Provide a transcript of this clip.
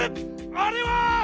あれは！